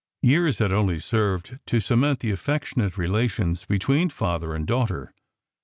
Years had only served to cement the affectionate relations between father and daughter.